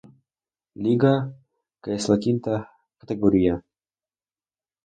Liga, que es la quinta categoría.